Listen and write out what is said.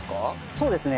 そうですね。